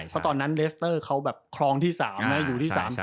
เต่อนั้นเรสเตอร์เค้าแบบคลองที่๓งั้นอยู่ที่๓